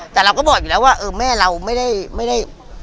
แต่เราก็บอกอยู่แล้วว่าเออแม่เราไม่ได้